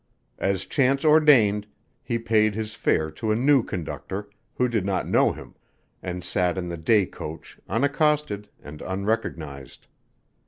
As chance ordained, he paid his fare to a new conductor, who did not know him, and sat in the day coach unaccosted and unrecognized.